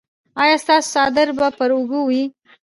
ایا ستاسو څادر به پر اوږه وي؟